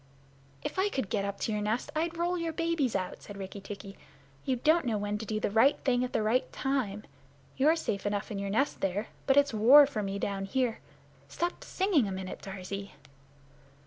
"If I could get up to your nest, I'd roll your babies out!" said Rikki tikki. "You don't know when to do the right thing at the right time. You're safe enough in your nest there, but it's war for me down here. Stop singing a minute, Darzee."